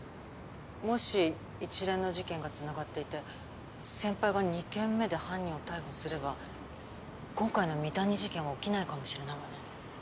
もし一連の事件がつながっていて先輩が２件目で犯人を逮捕すれば今回の三谷事件は起きないかもしれないわね。